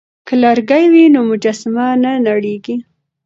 که لرګی وي نو مجسمه نه نړیږي.